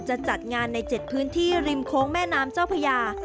จะจัดงานในเจ็ดพื้นที่ริมคงแม่น้ำเจ้าพระยา